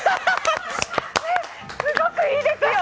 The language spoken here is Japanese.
すごくいいですよ！